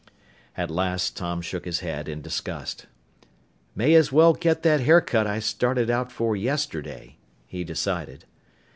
At last Tom shook his head in disgust. "May as well get that haircut I started out for yesterday," he decided.